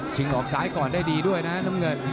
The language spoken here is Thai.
ออกซ้ายก่อนได้ดีด้วยนะน้ำเงิน